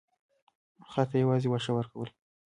خر ته یې یوازې واښه ورکول.